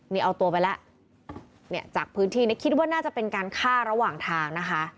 นี่เอาตัวไปแล้วเนี่ยจากพื้นที่เนี่ยคิดว่าน่าจะเป็นการฆ่าระหว่างทางนะคะ